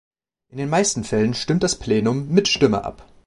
In den meisten Fällen stimmt das Plenum mit Stimme ab.